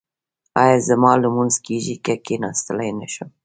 ایا زما لمونځ کیږي که کیناستلی نشم؟